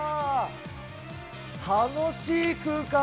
楽しい空間。